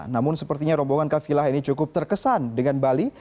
namun sepertinya rombongan kafilah ini cukup terkesan dengan bali